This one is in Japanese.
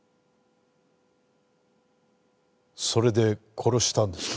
それで殺したんですか？